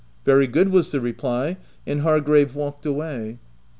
"Very good," was the reply; and Hargrave walked away.